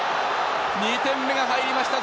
２点目が入りました！